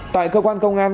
tại cơ quan công an